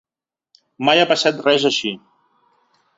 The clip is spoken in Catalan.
Mai ha passat res així.